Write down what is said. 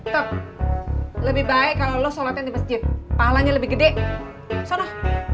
tetep lebih baik kalau lo sholatnya di masjid pahlanya lebih gede sono